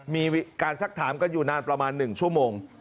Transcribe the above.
มีการสักถามกันอยู่นานประมาณ๑ชั่วโมง